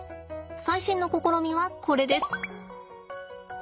最新の試みはこれです。